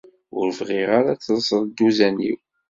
Ur bɣiɣ ara ad tellseḍ dduzan-iw.